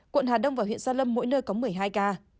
quận hà đông và huyện gia lâm mỗi nơi có một mươi hai ca